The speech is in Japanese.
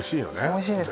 おいしいです